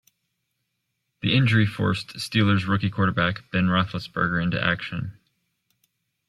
The injury forced Steelers rookie quarterback Ben Roethlisberger into action.